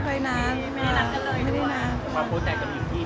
เพราะอย่างนั้นพลังไปนัดกัน